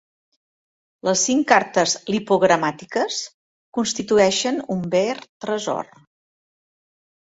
Les cinc cartes lipogramàtiques constitueixen un ver tresor.